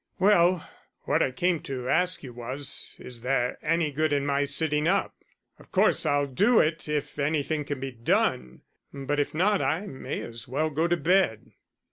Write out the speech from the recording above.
"Well, what I came to ask you was is there any good in my sitting up? Of course I'll do it if anything can be done; but if not I may as well go to bed."